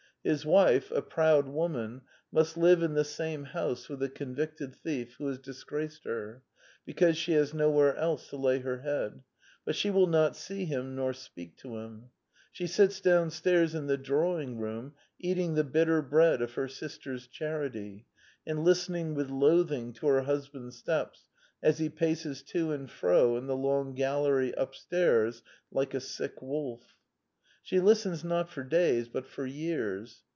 His wife, a proud woman, must live in the same house with the convicted thief who has disgraced her, because she has nowhere else to lay her head; but she will not see him nor speak to him. She sits downstairs in the drawing room eating the bitter bread of her sister's charity, and listening with loathing to her husband's steps as he paces to and fro in the long gallery upstairs '' like a sick wolf." She listens not for days but for years.